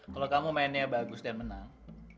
kalau kamu mainnya bagus dan menang